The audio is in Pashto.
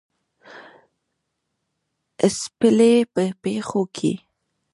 څپلۍ په پښو که